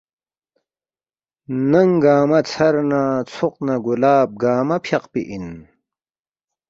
ننگ گنگمہ ژھر نہ ژھوق نہ گلاب گنگمہ فیاقپی اِن